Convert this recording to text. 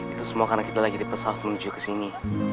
itu semua karena kita lagi di pesawat menuju kesini